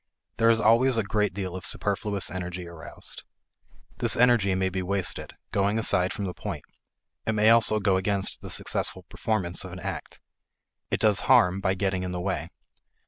There is always a great deal of superfluous energy aroused. This energy may be wasted, going aside from the point; it may also go against the successful performance of an act. It does harm by getting in the way.